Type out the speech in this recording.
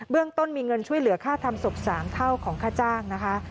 เรื่องต้นมีเงินช่วยเหลือค่าทำศพ๓เท่าของค่าจ้างนะคะ